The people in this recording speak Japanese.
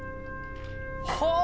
はあ。